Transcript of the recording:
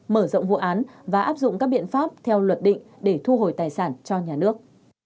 mở rộng vụ án và áp dụng các biện pháp theo luật định để thu hồi tài sản cho nhà nước